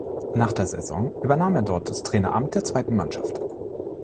Nach der Saison übernahm er dort das Traineramt der zweiten Mannschaft.